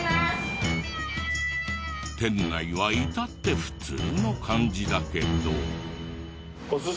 店内は至って普通の感じだけど。